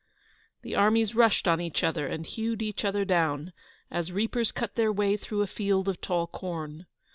The armies rushed on each other and hewed each other down, as reapers cut their way through a field of tall corn.